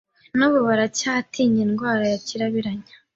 n'ubu baracyatinya indwara ya kirabiranya